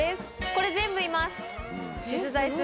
これ、全部います。